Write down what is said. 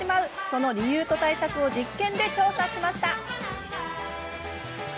その理由と対策を実験で調査しました。